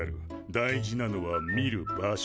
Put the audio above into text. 大事なのは見る場所だ。